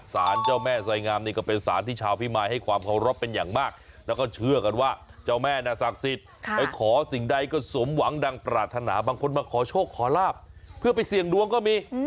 สารเจ้าแม่ไสงามนี่ก็เป็นสารที่ชาวพิมายให้ความเคารพเป็นอย่างมากแล้วก็เชื่อกันว่าเจ้าแม่น่ะศักดิ์สิทธิ์ไปขอสิ่งใดก็สมหวังดังปรารถนาบางคนมาขอโชคขอลาบเพื่อไปเสี่ยงดวงก็มี